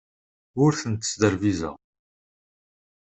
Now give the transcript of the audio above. Ur tent-sderbizeɣ.